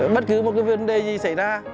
bất cứ một cái vấn đề gì xảy ra